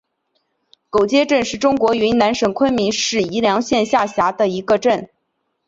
狗街镇是中国云南省昆明市宜良县下辖的一个镇。